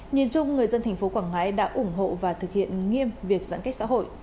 nhìn chung người dân thành phố quảng ngãi đã ủng hộ và thực hiện nghiêm việc giãn cách xã hội